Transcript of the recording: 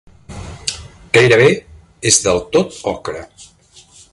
Gairebé és del tot ocre.